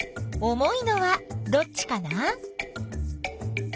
重いのはどっちかな？